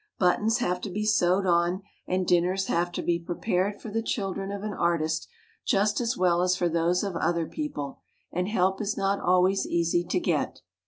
Buttons have to be sewed on and dinners have to be pre pared for the children of an artist just as well as for those of other people; and help is not always easy to get.